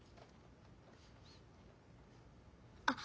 あっ！